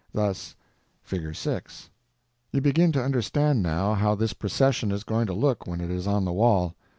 Thus: (Fig. 6). You begin to understand now how this procession is going to look when it is on the wall.